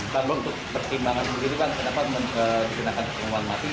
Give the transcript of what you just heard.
pak blok pertimbangan ini kan kenapa digunakan penguat mati